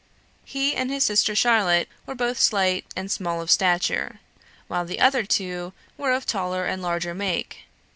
He and his sister Charlotte were both slight and small of stature, while the other two were of taller and larger make.